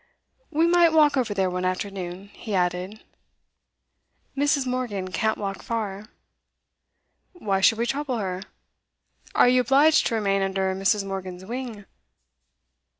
'We might walk over there one afternoon,' he added. 'Mrs. Morgan can't walk far.' 'Why should we trouble her? Are you obliged to remain under Mrs. Morgan's wing?